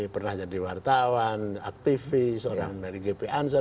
pernah jadi wartawan aktivis orang meriksa